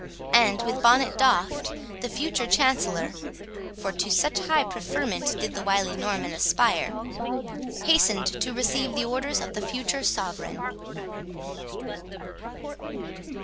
and, with bonnet doffed, the future Chancellor (for to such high preferment did the wily Norman aspire) hastened to receive the orders of the future sovereign.